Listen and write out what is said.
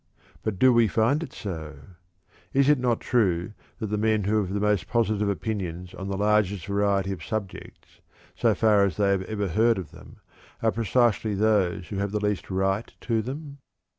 But do we find it so? Is it not true that the men who have the most positive opinions on the largest variety of subjects so far as they have ever heard of them are precisely those who have the least right to them?